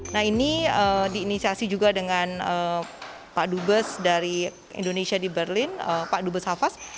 nah ini diinisiasi juga dengan pak dubes dari indonesia di berlin pak dubes hafaz